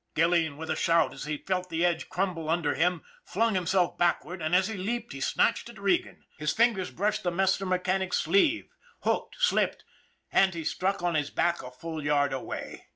Gilleen, with a shout, as he felt the edge crumple under him, flung himself backward and as he leaped he snatched at Regan, His fingers brushed the master 206 ON THE IRON AT BIG CLOUD mechanic's sleeve, hooked, slipped and he struck on his back a full yard away.